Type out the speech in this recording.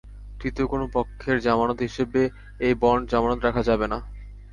তৃতীয় কোনো পক্ষের জামানত হিসেবে এই বন্ড জামানত রাখা যাবে না।